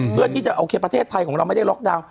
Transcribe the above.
เพื่อที่จะโอเคประเทศไทยของเราไม่ได้ล็อกดาวน์